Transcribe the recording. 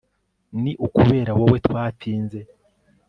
Ni ukubera wowe twatinze